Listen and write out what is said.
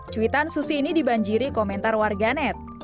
cuitan susi ini dibanjiri komentar warga net